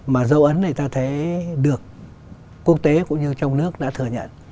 mà dấu ấn này ta thấy được quốc tế cũng như trong nước đã thừa nhận